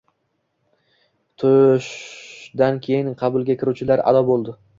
Tushdan keyin qabulga kiruvchilar ado bo‘ldi.